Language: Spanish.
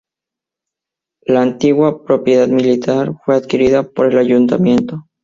La antigua propiedad militar fue adquirida por el Ayuntamiento.